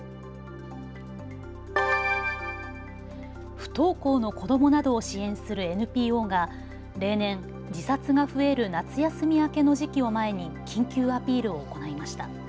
不登校の子どもなどを支援するＮＰＯが例年、自殺が増える夏休み明けの時期を前に緊急アピールを行いました。